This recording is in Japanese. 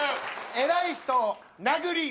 偉い人を殴ります！